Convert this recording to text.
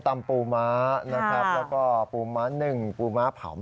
ส้มตำปูม้านะครับแล้วก็ปูม้าหนึ่งปูม้าผอม